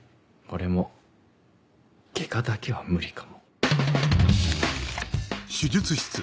俺も外科だけは無理かも。